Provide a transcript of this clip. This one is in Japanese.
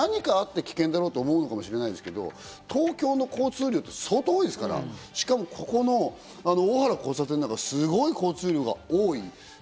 森君、さっき言ってましたけど危険な交差点ランキング、これ何かあって危険だろうと思うのかもしれないですけど、東京の交通量って相当多いですから、しかもここの大原交差点なんか、すごい交通量が多い。